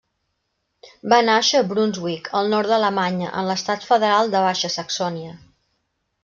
Va nàixer a Brunsvic, al nord d'Alemanya, en l'estat federal de Baixa Saxònia.